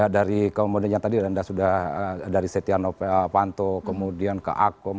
dari kemudiannya tadi anda sudah dari setia novel panto kemudian ke akom